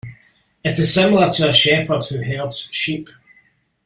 It is similar to a shepherd who herds sheep.